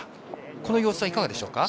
この様子はいかがでしょうか？